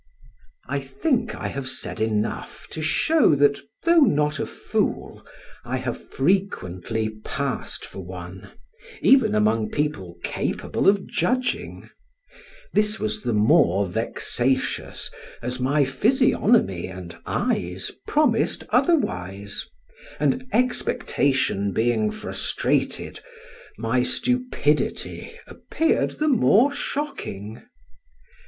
I think I have said enough to show that, though not a fool, I have frequently passed for one, even among people capable of judging; this was the more vexatious, as my physiognomy and eyes promised otherwise, and expectation being frustrated, my stupidity appeared the more shocking.